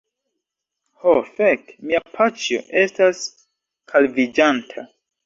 Ho fek', mia paĉjo estas kalviĝanta!